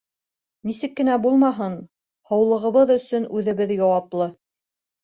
Нисек кенә булмаһын, һаулығыбыҙ өсөн үҙебеҙ яуаплы.